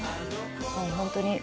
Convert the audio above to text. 本当に。